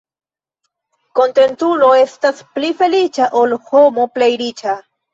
Kontentulo estas pli feliĉa, ol homo plej riĉa.